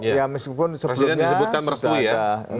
presiden disebutkan merespui ya